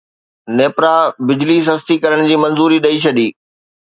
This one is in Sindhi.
نيپرا بجلي سستي ڪرڻ جي منظوري ڏئي ڇڏي